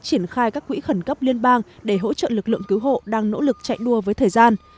triển khai các quỹ khẩn cấp liên bang để hỗ trợ lực lượng cứu hộ đang nỗ lực chạy đua với thời gian